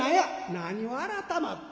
「何を改まって。